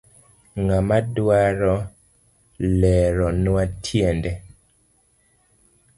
Ngama dwaro leronwa tiende.